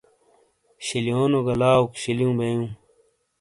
شِیلیونو گہ لاؤک شِیلیوں بیئوں۔